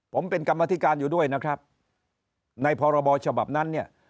ผมเป็นกรรมธิการอยู่ด้วยนะครับในพรบฉบับนั้นเนี่ย